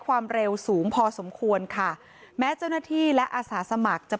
ความเร็วสูงพอสมควรค่ะแม้เจ้าหน้าที่และอาสาสมัครจะ